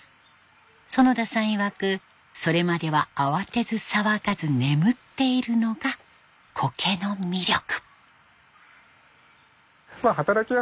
園田さんいわく「それまでは慌てず騒がず眠っている」のがコケの魅力。